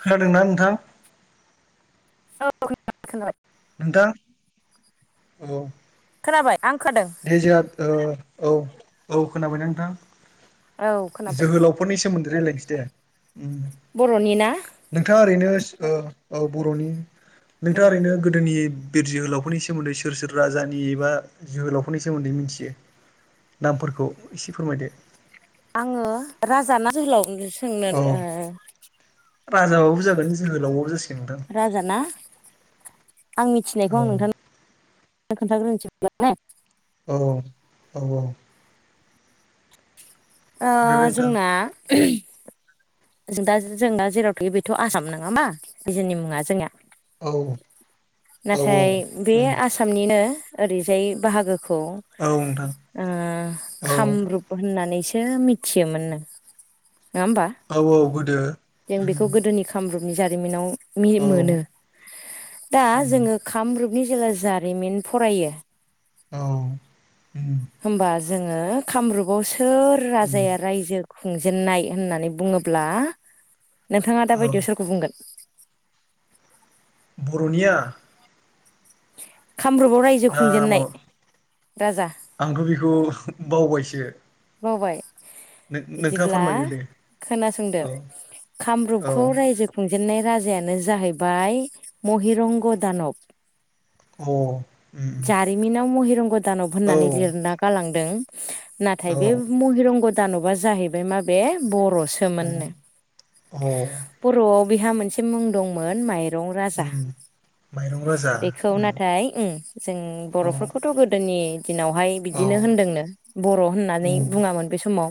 [inaudible] खोनादोंना नोंथां? औ खोनाबाय [unintelligible] नोंथां [inaudible] औ खोनाबाय आं खोनादों दे जोंहा ओ औ औ खोनाबायना नोंथां? औ खोनाबाय जोहोलावफोरनि सोमोन्दै रायलायनोसै दे ओम बर'नि ना [inaudible] नोंथाङा ओरैनो ओ ओ बर'नि उम नोंथाङा ओरैनो गोदोनि बिर जोहोलावफोरनि सोमोन्दै सोर सोर राजानि एबा जोहोलाव फोरनि सोमोन्दै मिथियो नामफोरखौ एसे फोरमायदो आङो राजा ना जोहोलाव सोंनो औ ओ राजाबाबो जागोन जोहोलावबाबो जासिगोन नोंथां। राजाना आं औ मिथिनायखौ आं नोंथां [inaudible] खोन्थाग्रोनोसै [inaudible] औ [inaudible] औऔ ओ खोनादों नोंथां जोंना जों दा जों दा जेराव थायो बेथ' आसाम नोङा [inaudible] ना बि जोंनि मुङा जोंनिया औ [inaudible] औ नाथाय बे उम आसामनिनो ओरैजाय बाहागोखौ औ नोंथां ओ औ खामरुप होननानै सो मिथियोमोन नो, नङा होमबा? औ औ गोदो जों बेखौ उम गोदोनि खामरुपनि जारिमिनाव मि औ मोनो। दा जोङो खामरुप नि जेला जारिमिन फरायो औ होमबा जोङो कामरुपाव सोर राजाया रायजो खुंजेनन्नाय होननानै बुङोब्ला, नोंथाङा औ दाबायदियाव सोरखौ बुंगोन? बर'निया कामरुपाव रायजो आ खुंजेननाय माबा राजा [inaudible] आंथ' बेखौ बावबायसो। बावबाय [inaudible] नोंथाङा बिदिब्ला फोरमायदो दे खोनासंदो औ औ कामरुपखौ रायजो खुं जेननाय राजायानो जाहैबाय महिरंग दानब। अ उम रंग दानब होननानै लिरना गालांदों नाराय बे महिरंग दानबा जाहैबाय माबे बरसोमोननो औ बर'आव बैहा मोनसे मुं दंमोन माइरं राजा माइरं राजा बेखौ नाथाय उं जों औ बर'फोरखौथ' गोदोनि दिनावहाय औ बिदिनो होनदोंनो बर' होननानै बुंङामोन बे समाव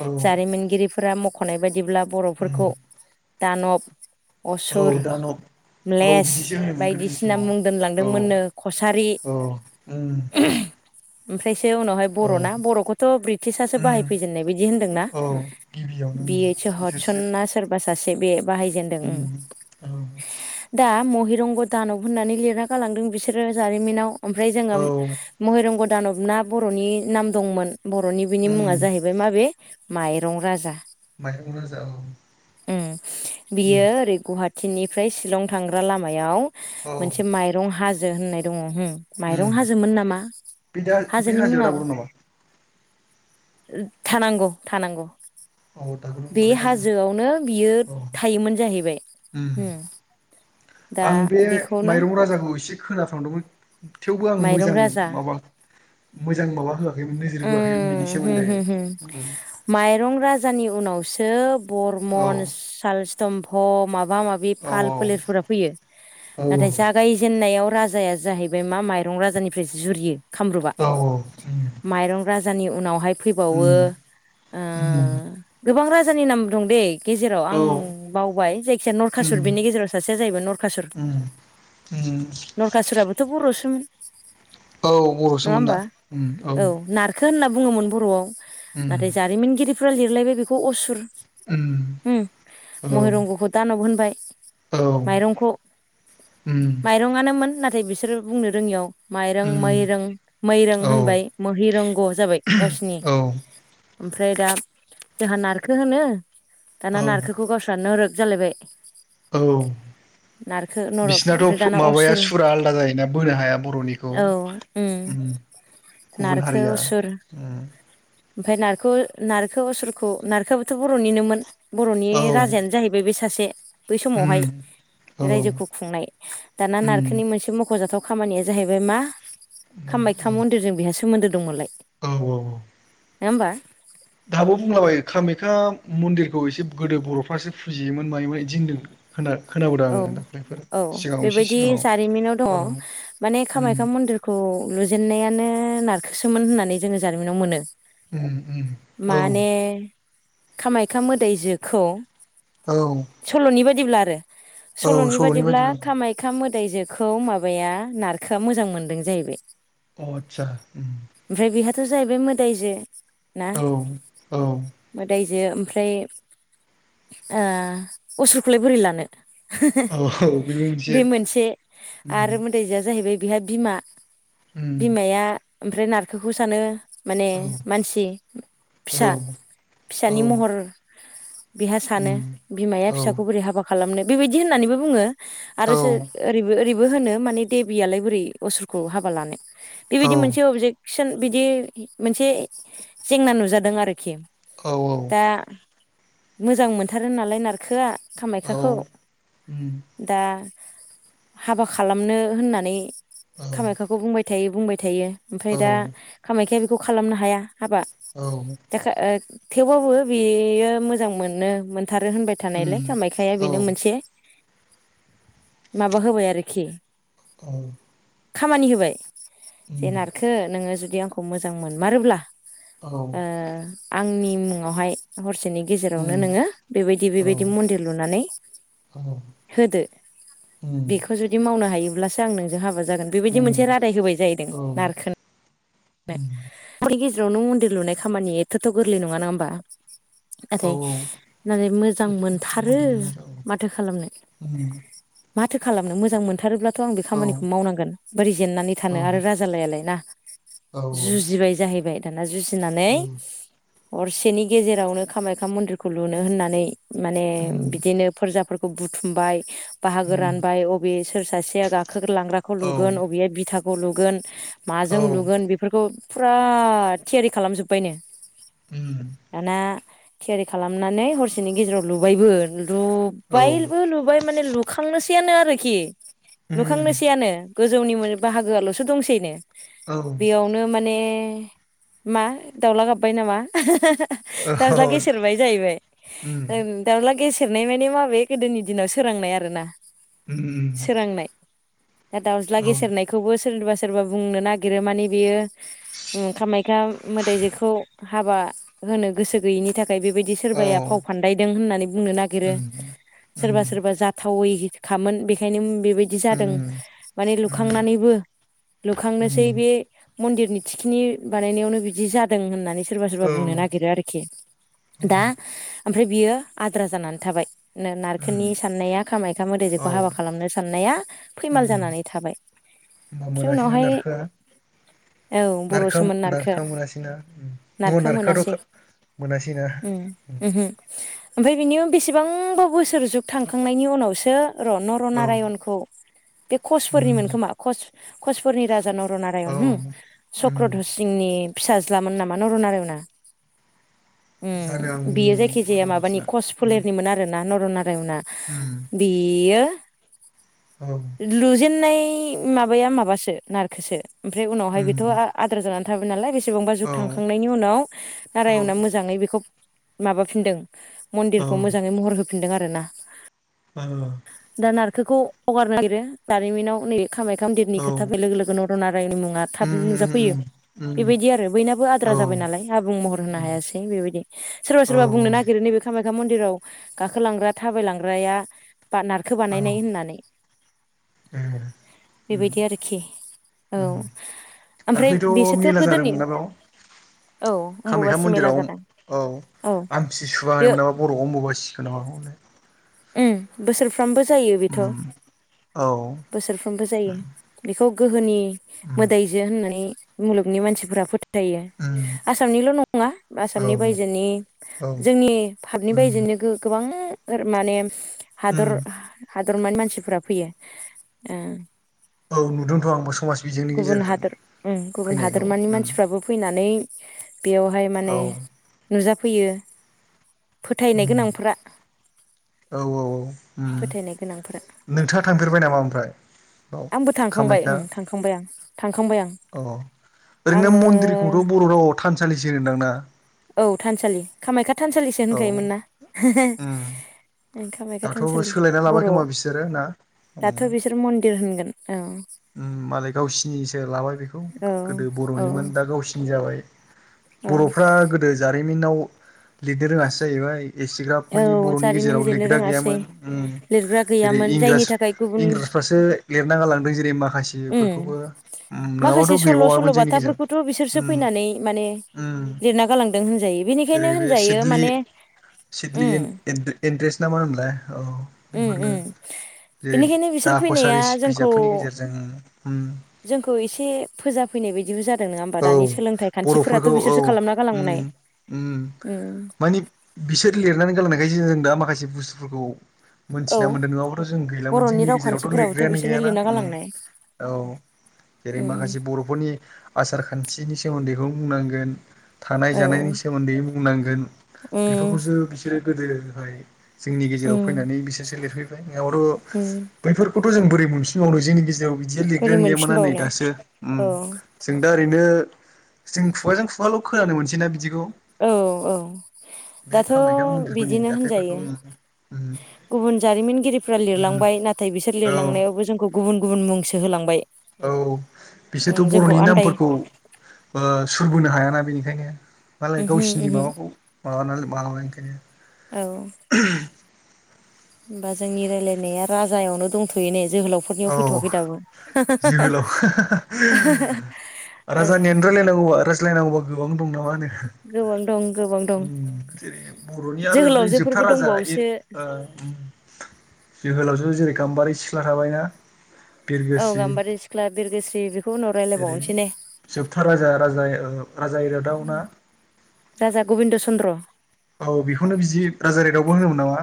औ जारिमिनगिरिफोरा मख'नाय बायदिब्ला बर'फोरखौ दानब औ असुर दानब औ म्लेस बिदिसो होनोमोन गोदोनि बायदिसिना समाव मुं औ दोनलांदोंमोननो खसारि औ [unintelligible] ओमफ्रायसो उनावहाय औ बरना बरखौ- थ ब्रिटिसासो बाहाय फैजेननाय बायदि होनदोंना औ गिबियावनो बिओससो हरसन बिसोरसो ना सोरबा सासे बे बाहायजेनदों उम दा महिरंग‌दानब होननानै लिरना गालांदों बिसोरो जारिमिनाव ओमफ्राय जोंङो औ महिरंग दानबना बरनि नाम दंमोन बरनि बिनि मुङा उम जाहैबाय माबे माइरं राजा माइरं राजा औ उम टिननिफ्राय शिलं थांग्रा लामायाव औ मोनसे माइरं हाजो होननाय दंङ हम माइरं उम हाजोमोन नामा बे दा बे हाजोनि हाजोआव मुङाव दाबो ओद दं नामा थानांगौ थानांगौ औ द बे हाजोआवनो बियो थायोमोन जाहैबाय उम हम आं बे माइरं राजाखौ एसे खोना संदोंमोन थेवबो आं माइरं मोजां राजा माबा मोजां माबा होआखैमोन नोजोर बोआखैमोन बिनि उम होम सोमोन्दै उम जानि उनावसो औ बरमन साल स्थम मा माबा माबि औ फाल फोलेरफोरा फै औ नाथाय जागायजेननायाव राजाया जाहैबाय मा माइरं राजानिफ्रायसो जुरियो औ औ उम रं राजानि उनावहाय फैबावो ओ उम उम गोबां राजानि नाम दं दैे गेजेराव औ आं बावबाय जायखिया उम नरखासुर बिनि गेजेराव सासेया जाहैबाय नरखासुर उम उम नरखासुराबोथ बरसोमोन औ नङा बरसोमोनना होमबा उम ओ औ नारखो होनना बुंङोमोन बरआव उम नाथाय जारिमिनगिरिफ्रा लिरलायबाय बेखौ असुर औ उम औ महिरंगखौ दानाब होनबाय माइरंखौ माइरंआनोमोन नाथाय बिसोरो बुंनो रोङियाव माइरं मैरं मैरं होनबाय मोहिरंग जाबाय गावसिनि औ ओमफ्राय दा जोंहा नारखो होनो दाना औ नारखोखौ गावस्रा नोरोग जालायबाय औ नारखो नरक बिसिनाथ ओमफ्राय फ्रु दाना माबाया असुर सुरा आलदा जायोना बोनो हाया बरनिखौ औ उम गुबुन हारिया उम ओमफाय नारख नारखो असुरखौ नारखोआबोथ बरनिनोमोन बर'नि औ राजायानो जाहैबाय बे सासे बै उम, समावहाय औ रायजोखौ खुंनाय दाना उम, नारखोनि मोनसे मख'जाथाव खामानिया जाहैबाय मा मा- औ कामाख्या मन्दिरजों बेहा सोमोन्दो दंमोनलाय औ नङा होमबा दाबो बुंलाबायो कामाख्या मन्दिरखौ एसे गोदो बरफ्रासो फुजियोमोन मायोमोन आदि होनदों खोना खोनाबोदों औ आङो दाख्लैफोर औ सिगाङाव एसे बेबायदि सिगाङाव जारिमिनाव औ दंङ माने उम, कामाख्या मन्दिरखौ लुजेनन्नायानो नारखोसोमोन होननानै जोंङो जारिमिनाव मोनो उम, उम, औ माने। कामाख्या मोदायजोखौ औ सल'नि बायदिब्ला औ सल'नि बादिब्ला बायदिबा खामायख्या मो दायजोखौ माबाया नारखोआ मोजां मोनदों जाहैबाय। अ आत्सा ओम थ' जाहैबाय मोदायजो। औ औ बि ओमफ्राय ओ असुरखौलाय बोरै लानो। औ बेबो बे मोनसे औ आरो मोदायजोआ जाहैबाय। बेहा बिमा बिमाया ओमफ्राय नारखोखौ सानो। माने औ मानसि फिसा औ औ फिसानि महर । बेहा सानो उम बिमाया औ फिसाखौ बोरै हाबा खालामनो बेबायदि होननानैबो बुङो । औ आरो ओरैबो ओरैबो होनो माने देबियालाय बोरै असुरखौ हाबा लानो। बेबायदि मोनसे अबजेकसन बिदि मोनसे जेंना नुजादों आरोखि । औ औ मोजां मोनथारो नालाय नारखोआ कामाख्याखौ दा हाबा खालामनो होननानै खामाख्याखौ बुंबाय थायो बुंबाय थायो। ओमफ्राय दा कामाख्याया बेखौ खालामनो हाया हाबा दा ओ थेवबाबो बेयो मोजां मोनो मोनथारो होनबाय उम थानायलाय कामाख्याया औ उम बेनो औ मोनसे माबा होबाय आरोखि औ खामानि होबाय जे नारखो नोङो जुदि आंखौ मोजां मोनमारोब्ला। आंनि मुङावहाय हरसे नि गेजेरावनो नोङो बेबायदि बेबायदि औ मन्दिर लुनानै औ होदो उम बेखौ जुदि मावनो हायोब ब्लासो आं नोंजों हाबा जागोन बेबायदि उम मोनसे रादाय होबाय जाहैदों औ नारखोन उम नो गेजेराव नों मन्दिर लुनाय खामानि एथ'थ' गोरलै नङा ना होमबा? औ नाथाय नालाय मोजां मोनथारो माथो खालामनो? ओम माथो खालामनो मोजां मोनथारोब्लाथ' आं बे खामानिखौ मावनांगोन बोरै जेननानै थानो औ आरो राजालायालाय ना औ जुजिबाय जाहैबाय दाना जुजिनानै हरसेनि गेजेरावनो कामाख्या मन्दिरखौ लुनो होननानै माने उम बिदिनो फोरजाफोरखौ खौ बुथुमबाय बाहागो उम रानबाय अबे सोर सासेया गाखोग लांग्राखौ औ लुगोन अबेया बिथाखौ लुगोन औ माजों लुग बेखौ फुरा थियारि खालामजोब्बायनो उम दाना थियारि खालामनानै हरसेनि गेजेराव लुबायबो औ लुबायबो लुबाय माने लुखांनोस सेयानो आरोखि उम लुखांनोसैयानो गोजौनि बाहागोआल'सो दंसैनो । औ बेयावनो माने मा दाउला गाबबाय नामा? दाज्ला गेसेेरबाय जाहैबाय उम ओ दाउला गेसे सेरनाय माने माबे गोदोनि दिनाव सोरांनाय आरोना। उम सोरांनाय दा दाउज्ला औ गेसेेरनायखौबो सोरनिबा सोरबा बुंनो नागिरो माने बेयो कामाक्या मोदाय जेखौ हाबा होनो गोसो गैयिनि थाखाय। थाखाय बेबायदि सोरबाया फाव औ फान्दायदों होननानै बुंनो नागिरो उम उम सोरबा सोरबा जाथावै खामोन बेखायनो बेबायदि जादों उम माने उम लुखांनानैबो लुखांनोसै उम बे मन्दिरनि थिखिनि बानायनायावनो बिदि जादों होननानै सानो। सोरबा सोरबा औ बुंनो नागिरो आरोखि दा ओमफ्राय बियो आद्रा जानानै थाबाय। नारखोननि उम साननाया खामाक्या औ मोदैजोखौ हाबा उम खालामनो साननाया फैमाल जानानै थाबाय होमबा ओमफ्राय मोनासैनो उनावहाय नारखोआ औ नार बर'सोमोन नारखो नारखां मोनासैना न' नारखो मोनासै नारखाथ' मोनासै ना उम उमहो ओमफ्राय बिनि बेसेबांबा बोसोर जुग थांखांनायनि उनावसो औ रनरनारायनखौ बे उम कचफोरनिमोन खोमा क कसफोरनि राजानाव औ ारायन उम चक्रधरसिंनि फिसाज्लाोन नामा न रनारायनाआ उम जानो आं बेयो जायखि जाया बारा माबानि मिथिला कच उम फोलेरनिमोन आरो ना नरना मफ्राय उना उम बेयो औ लुजेननाय माबाया माबासो नारखोसो ओमफ्राय उनावहाय बेथ' उम आद्रा जानानै थाबाय नालाय बे बेसेबांबा जुग औ थांखांनायनि उनाव औ नारायणना मोजाङै बेखौ माबाफिनदों मन्दिरखौ मोजाङै महर होफिनदों आरो ना औ खौ हगारनो नागिरो दानिमिनाव नै खामाय खाम देरनि औ खोथा फै लोगो लोगोन न बायनि मुङा थाब उम नुजाफैयो उम उम बेबायदि आरो बयनाबो उम आद्रा औ जाबाय नालाय आबुं महर होनो हायासै बेबायदि सोरबा औ सोरबा बुंनो नागिरो नैबे खामानि खा मन्दिराव गाखोलांग्रा थाबाय लांग्राया बा नारखो बानायनाय औ होननानै ए बेबायदि उम आरोखि औ ओमफ्राय दाख्लैथ' बिसोरथ' मेला गोदोनि जादोंमोनना बेयाव औ कामाख्या अम्बुबासि मेला मन्दिराव जादों औ औ आमथि सुवा होन बेयो मोनाबा बर'आवब बय सिखौ ना हनाय उ बोसोर सफ्रामबो जायो बेथ' औ बोसोरफ्रोमबो जायो बेखौ गोहोनि मोदायजो होननानै मुलुगनि मानसिफोरा फो आसामनिल' नङा आसामनि औ बायजोनि औ जोंनि भपनि बायजोनि बिनो गोबां माने हादर हादरमानि मानसिफोरा फैयो औ नुदोंथ' आंबो समाज बिजोंनि गुबुन गेजेरजों हादोर गुबुन फैनायखौ हादोरमानि उम मानसिफ्राबो फैनानै बेयावहाय औ माने नुजाफैयो फोथायनाय उम गोनांफोरा औ औ औ फोथायनाय गोनांफोरा नोंथाङा थांफेरबाय नामा ओमफ्राय औ आंबो थांखांबाय ओं थांखांबाय आं थांखांबाय आं अ ओरैनो आङो मन्दिरखौथ' बर' रावाव थानसालिसो होनदांना औ थानसालि कामाख्या थानसालिसो औ होनखायोमोन ना उम कामाख्या दाथ' थानसालि सोलायना लाबाय बर'आव खोमा बिसोरो ना दाथ' बिसोर मन्दिर होनगोन औ मालाय गावसिनिसो लाबाय बेखौ औ गोदो औ बर'निमोन दा गावसिनि जाबाय औ बर'फ्रा गोदो जारिमिनाव लिरनो रोङासो जाहैबाय एसेग्राब मानानि औ बर'नि जारिमिन गेजेराव लिरनो लेग्रा रोङासै गैयामोन लिरग्रा जेरै गैयामोन इंराज जायनि थाखाय गुबुन इंराज फासो लिरना गालांदों जेरै मा माखासे सल' गैबावामोन सल' जोंनि गेजेराव बाथाफोरखौथ' बिसोरसो उम फैनानै माने उम लिरना गालांदों होनजायो बेनिखायनो होनजायो माने सिथलि उम एन-एन-एनट्रेस नामा होनोंलाय औ उम बेफोरनो उम जेरै बेनिखायनो बिसोर दा फैनाया कसारिस जोंखौ बिजाबफोरनि गेजेर जोंखौ एसे फोजाफैनाय बायदि औ बर'फोरखौ औ बिसोरसो खालामना गालांनाय ओम ओम उम मानि बिसोर लिरनानै गलांनायखायसो जों दा माखासे बुस्थुफोरखौ औ मोनथिना मोनदों नङाब्लाथ' जों गैलामोन बर'नि जोंनि गेजेरावथ' रावखान्थिफोराबोथ' लिरग्रायानो बिसोरनो गैयाना लिरना ओम गालांनाय औ जेरै उम माखासे बर'फोरनि सार खान्थिनि सोमोन्दैखौ बुंनांगोन थानाय औ जानायनि सोमोन्दै बुंनांगोन उम बेफोरखौसो बिसोरो गोदोहाय जोंनि गेजेराव उम फैनानै बिसोरसो लिरफैबाय' उम बैफोरखौ थ' जों बोरै मोनफिनबावनो जोंनि गेजेराव बिदि लिरग्रा बोरै गैयामोना नै मोनफिनबावनो दासो ओम औ । दा ओरैनो जों खुगाजों खुवाल' खोनानो मोनसैना बिदि औ औ बे दाथ' कामाख्या मन्दिरफोरनि बिदिनो जाथायफोरखौ होनजायो। उम उम गुबुन जारिमिनगिरिफ्रा उम लिरलांबाय नाथाय बिसोर औ लिरलांनायावबो जोंखौ गुबुन गुबुन मुंसो होलांबाय। औ ओं बिसोरथ' जोंखौ बर'नि आन्दाय नामफोरखौ ओ सुरबोनो हाया ना‌ बेनिखायनो मालाय उमहो गावसिरनि उमहो माबाखौ माबानानै माबाय औ ओंखायनो। होमबा जोंनि रायजलायनाया राजायावनो दंथ'यो ने? जोहोलावफोरनियाव औ फैथ'वाखै दाबो। जोहोलाव [unintelligible] ओं राजानियानो रायलायनांगौबा रायज्लायनांगौबा गोबां दं नामा होनो? गोबां दं गोबां दं ओम जेरै बर'नि आरो बे जोबथा जोहोलावजोफोरबो राजा इ दंबावोसो आ ओम जोहोलावजो जेरै गाम्बारि सिख्ला थाबायना औ बिरगोस्रि गाम्बारि सिख्ला बिरगोस्रि बेखौ उनाव जेरै रायलायबावनोसै ने जोबथा राजा राजा इ राजाय इरागदाव ना? सन्द्र' औ बेखौनो बिदि राजा इराग्दावबो होनोमोन नामा?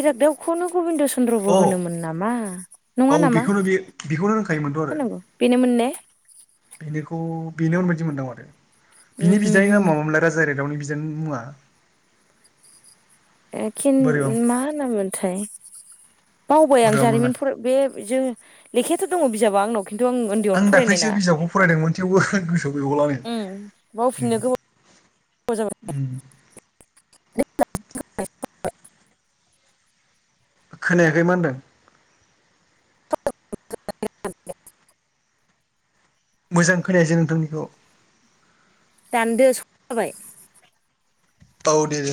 इराग्दावखौनो गबिन्द चन्द्रबो औ होनोमोन नामा? नङा औ नामा? बेखौनो बे बेखौनो होनखायोमोनथ' आरो है नोंगौ बेनोमोन ने? बेनिखौ बेनोमोनबायदि मोनदों माथो बिनि उमहो बिदानि उमहो नामा मामोनलाय राजा इरा दावनि बिदानि मुङा? एखिन बोरैबा मा होनोमोनथाय बावबाय आं जारिमिन बोरैबामोनलाय फराय बे जों लेखायाथ' दङ' बिजाबा आंनाव। खिन्थु आं उन्दैयावनो फरायनाय ना दाख्लैसो बिजाबखौ फरायदोंमोन थेवबो गोसोआव गैगावला ओं आङो। बावफिननो गोबाव जाबाय ओम। [inaudible] खोनायाखै मा होनदों? [unintelligible] मोजां खोनायासै नोंथांनिखौ। दानदो स' जाबाय। औ दे दे।